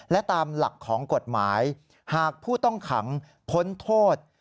และตามหลักของกฎหมายหากผู้ต้องขังพ้นโทษ